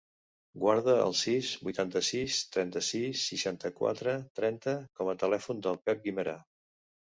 Guarda el sis, vuitanta-sis, trenta-sis, seixanta-quatre, trenta com a telèfon del Pep Guimera.